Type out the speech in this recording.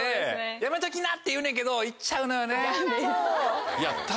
やめときなって言うねやけど行っちゃうのよね。